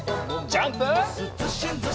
ジャンプ！